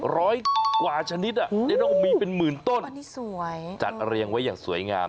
ร้อยกว่าชนิดอะได้ต้องมีเป็นหมื่นต้นจัดเลี้ยงไว้อย่างสวยงาม